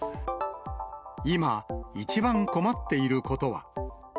今、一番困っていることは。